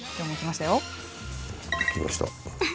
来ました。